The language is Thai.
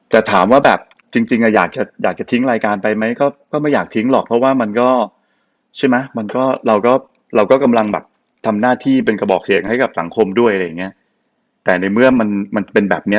แต่ถามว่าแบบจริงจริงอ่ะอยากจะอยากจะทิ้งรายการไปไหมก็ไม่อยากทิ้งหรอกเพราะว่ามันก็ใช่ไหมมันก็เราก็เราก็กำลังแบบทำหน้าที่เป็นกระบอกเสียงให้กับสังคมด้วยอะไรอย่างเงี้ยแต่ในเมื่อมันมันเป็นแบบเนี้ย